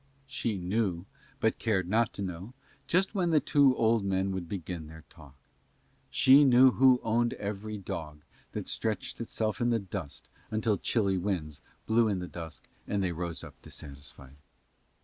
She knew, but cared not to know, just when the two old men would begin their talk. She knew who owned every dog that stretched itself in the dust until chilly winds blew in the dusk and they rose up dissatisfied.